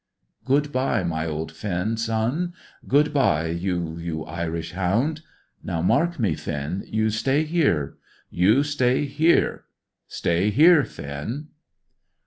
"Good bye, my old Finn, son! Good bye, you you Irish Hound! Now mark me, Finn, you stay here; you stay here stay here, Finn!"